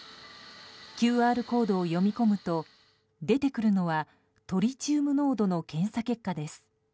ＱＲコードを読み込むと出てくるのはトリチウム濃度の検査結果です。